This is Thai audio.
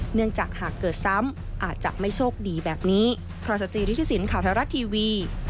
เนื่องจากหากเกิดซ้ำอาจจะไม่โชคดีแบบนี้